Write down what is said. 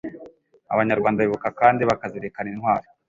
Abanyarwanda bibuka kandi bakazirikana Intwari